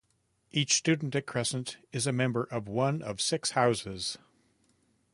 Each student at Crescent is a member of one of six houses.